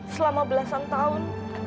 selama belasan tahun